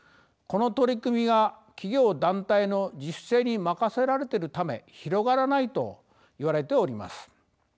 この取り組みが企業団体の自主性に任せられているため広がらないと言われております。